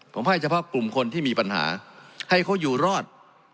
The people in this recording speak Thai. ผมให้เฉพาะกลุ่มคนที่มีปัญหาให้เขาอยู่รอด